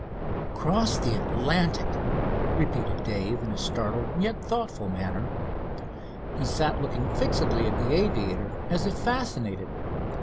"Cross the Atlantic!" repeated Dave, in a startled yet thoughtful manner. He sat looking fixedly at the aviator as if fascinated.